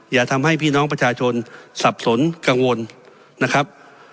อย่าทำให้พี่น้องประชาชนสับสนกังวลนะครับ